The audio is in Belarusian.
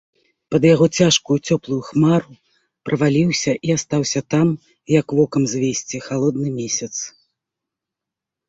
Пад яго цяжкую, цёплую хмару праваліўся і астаўся там, як вокам звесці, халодны месяц.